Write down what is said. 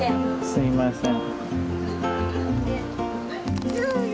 すみません。